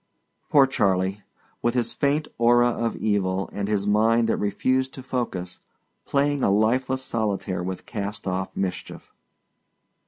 Poor Charley with his faint aura of evil and his mind that refused to focus, playing a lifeless solitaire with cast off mischief.